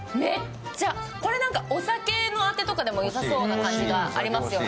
これ、お酒のあてとかでも良さそうな感じがありますよね。